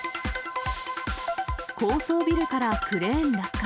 高層ビルからクレーン落下。